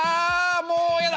もうやだ！